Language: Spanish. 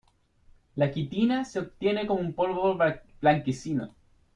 La quitina se obtiene como un polvo blanquecino.